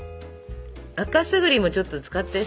赤すぐりもちょっと使って。